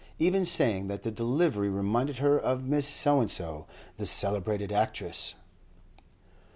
even saying that the delivery reminded her of Mrs. ——, the celebrated actress!